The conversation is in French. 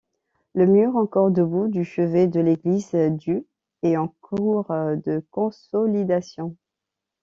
Le mur encore debout du chevet de l’église du est en cours de consolidation.